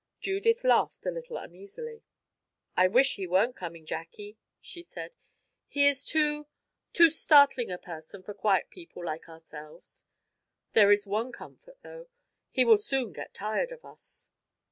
Judith laughed a little uneasily. "I wish he wern't coming, Jacky," she said. "He is too too startling a person for quiet people like ourselves. There is one comfort, though: he will soon get tired of us."